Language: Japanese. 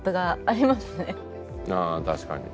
ああ確かに。